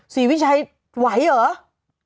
สีวิชัยไหวอ่ะ